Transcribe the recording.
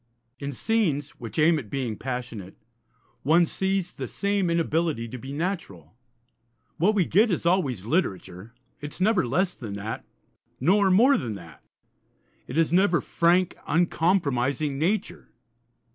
In scenes which aim at being passionate one sees the same inability to be natural. What we get is always literature; it is never less than that, nor more than that. It is never frank, uncompromising nature.